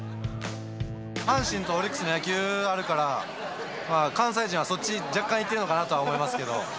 阪神とオリックスの野球あるから、関西人はそっち、若干行ってるのかなと思いますけど。